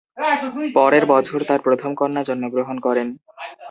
পরের বছর তার প্রথম কন্যা জন্মগ্রহণ করেন।